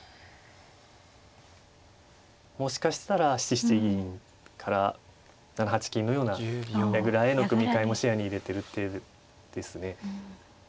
もしかしたら７七銀から７八金のような矢倉への組み替えも視野に入れてるっていうですね。